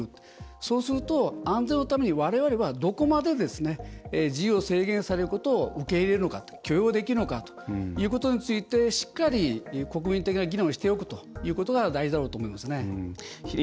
そうすると安全のためにわれわれはどこまで自由を制限されることを受け入れる、許容できるのかということについて、しっかり国民的な議論をしておくことが大事だろうと思いますね。